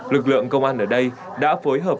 lực lượng công an ở đây đã phối hợp